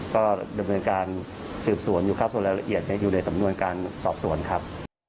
ก็ดำเนินการสืบสวนอยู่ครับส่วนรายละเอียดอยู่ในสำนวนการสอบสวนครับ